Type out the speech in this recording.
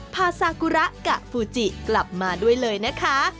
ซากุระกับฟูจิกลับมาด้วยเลยนะคะ